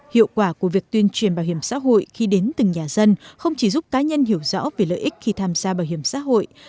hiệu quả của việc tuyên truyền bảo hiểm xã hội khi đến từng nhà dân không chỉ giúp cá nhân hiểu rõ về lợi ích khi tham gia bảo hiểm xã hội